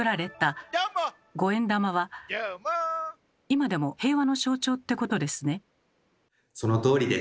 「今でも平和の象徴ってことですね」。